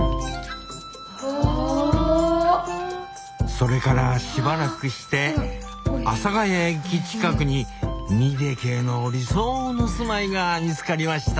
それからしばらくして阿佐ヶ谷駅近くに２ＤＫの理想の住まいが見つかりました